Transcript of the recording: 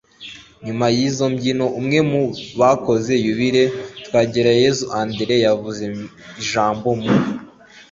nyuma y'izo mbyino, umwe mu bakoze yubile, twagirayezu andré, yavuze ijambo mu